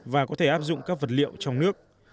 và có thể áp dụng các vật liệu trong nước